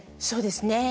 そうですね。